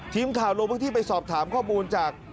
ทีมข่าวลงพื้นที่ไปสอบถามข้อมูลจาก